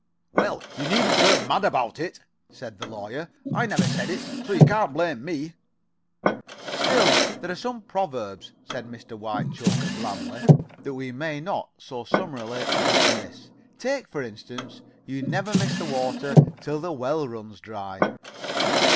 "Well, you needn't get mad about it," said the Lawyer. "I never said it so you can't blame me." "Still, there are some proverbs," said Mr. Whitechoker, blandly, "that we may not so summarily dismiss. Take, for instance, 'You never miss the water till the well runs dry.'"